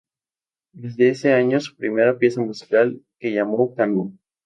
De ese año es su primera pieza musical que llamó "Canoa".